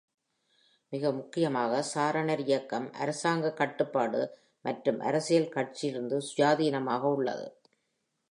மிக முக்கியமாக, சாரணர் இயக்கம் அரசாங்க கட்டுப்பாடு மற்றும் அரசியல் கட்சிகளிலிருந்து சுயாதீனமாக உள்ளது.